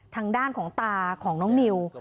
ทางด้านของตาของน้องนิว